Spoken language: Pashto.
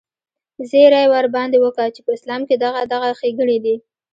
زيرى ورباندې وکه چې په اسلام کښې دغه دغه ښېګڼې دي.